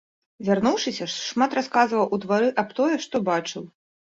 Вярнуўшыся, шмат расказваў у двары аб тое, што бачыў.